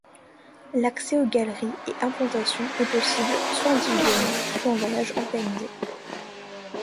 L’accès aux galerie et implantations est possible, soit individuellement soit en voyage organisés.